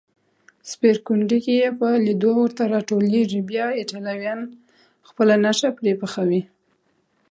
سپېرکونډکې یې په لېدو ورته راټولېږي، بیا ایټالویان خپله نښه پرې پخوي.